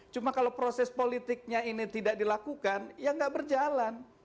cuma kalau proses politiknya ini tidak dilakukan ya nggak berjalan